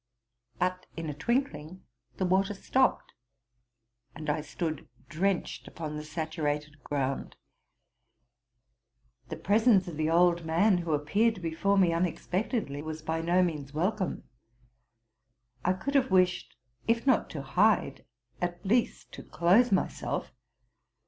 But, in a twinkling, the water stopped ; and I stood drenched upon the saturated ground. The presence of the old man, who ap peared before me unexpectedly, was by no means welcome. I could have wished, if not to hide, at least to clothe, myself.